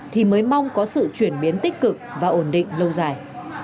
thì mới mong có sự chuyển biến tích cực và ổn định lâu dài